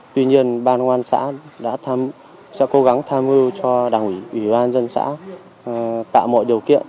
tuy nhiên ban quan xã sẽ cố gắng tham ưu cho đảng ủy ủy ban dân xã tạo mọi điều kiện